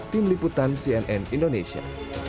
tim liputan cnn indonesia